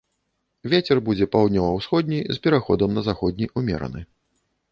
Вецер будзе паўднёва-ўсходні з пераходам на заходні ўмераны.